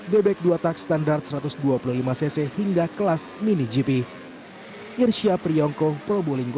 bebek dua tak standar satu ratus dua puluh lima cc hingga kelas mini gp